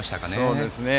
そうですね。